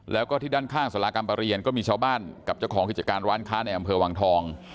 แล้วก็ที่ด้านข้างสารากรรมประเรียนก็มีชาวบ้านกับเจ้าของกิจการร้านค้าในอำเภอวังทอง